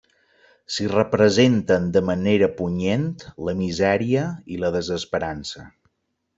S'hi representen de manera punyent la misèria i la desesperança.